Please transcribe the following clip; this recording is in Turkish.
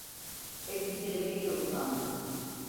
Elbiseleriyle uzandı.